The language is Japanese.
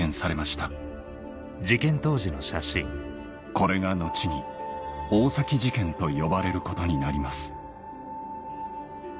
これが後に大崎事件と呼ばれることになります